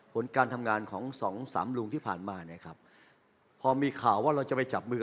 ผลการทำงานของสองสามลุงที่ผ่านมาเนี่ยครับพอมีข่าวว่าเราจะไปจับมือ